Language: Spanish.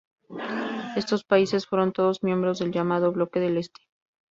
Estos países fueron todos miembros del llamado Bloque del Este.